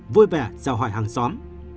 vui vẻ chào hỏi hàng xóm